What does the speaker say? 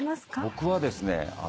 僕はですね